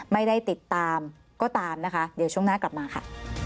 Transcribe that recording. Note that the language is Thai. ไม่ได้ติดตามก็ตามนะคะเดี๋ยวช่วงหน้ากลับมาค่ะ